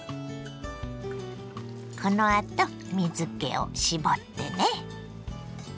このあと水けを絞ってね。